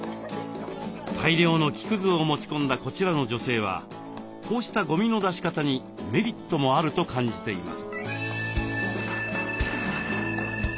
大量の木くずを持ち込んだこちらの女性はこうしたゴミの出し方にメリットもあると感じています。